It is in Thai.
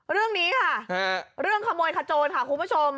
เรื่องนี้ค่ะเรื่องขโมยขโจรค่ะคุณผู้ชม